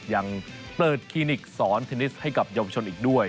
ยังเปิดคลินิกสอนเทนนิสให้กับเยาวชนอีกด้วย